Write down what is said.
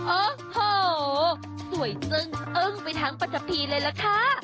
โอ้โหสวยจึ้งเอิ้งไปทั้งปัจจับีเลยละคะ